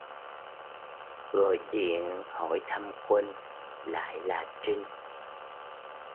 Gọi điện hỏi thăm Quân lại là Trinh